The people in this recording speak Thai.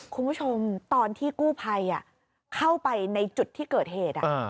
คุณผู้ชมตอนที่กู้ภัยเข้าไปในจุดที่เกิดเหตุ